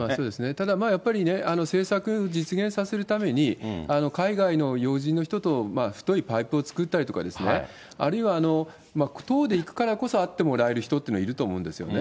ただやっぱりね、政策を実現させるために、海外の要人の人と太いパイプを作ったりとか、あるいは党で行くからこそ会ってもらえる人というのはいると思うんですよね。